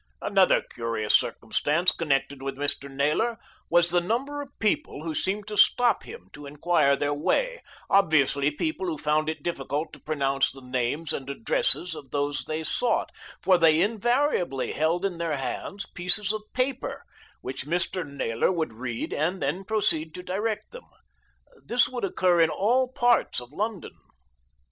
Another curious circumstance connected with Mr. Naylor was the number of people who seemed to stop him to enquire their way, obviously people who found it difficult to pronounce the names and addresses of those they sought, for they invariably held in their hands pieces of paper, which Mr. Naylor would read and then proceed to direct them. This would occur in all parts of London.